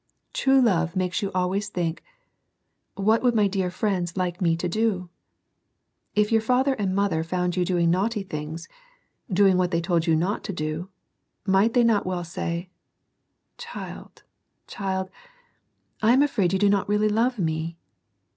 True love makes you always think, " What would my dear friends like me to do ?" If your father and mother found you dains^ I20 SERMONS FOR CHILDREN. naughty things,— doing what they told you not to do, might they not well say, " Child, child, I am afraid you do not really love me